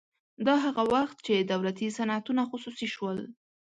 دا هغه وخت چې دولتي صنعتونه خصوصي شول